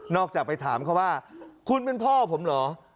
จากไปถามเขาว่าคุณเป็นพ่อผมเหรอ